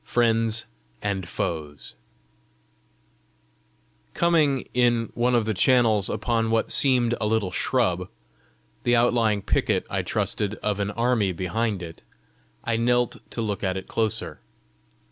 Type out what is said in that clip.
FRIENDS AND FOES Coming, in one of the channels, upon what seemed a little shrub, the outlying picket, I trusted, of an army behind it, I knelt to look at it closer.